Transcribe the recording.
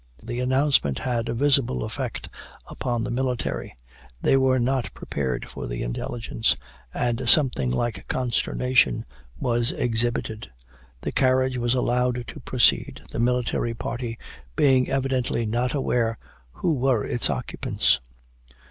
The announcement had a visible effect upon the military; they were not prepared for the intelligence; and something like consternation was exhibited. The carriage was allowed to proceed, the military party being evidently not aware who were its occupants.